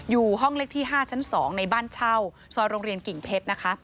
อยู่ห้องเลขที่๕ชั้น๒ในบ้านเช่าซอยโรงเรียนกิ่งเพชรนะคะ